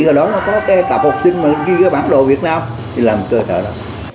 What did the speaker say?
rồi đó nó có cái tạp học sinh mà ghi cái bản đồ việt nam thì làm cơ thể đó